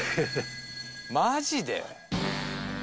マジで？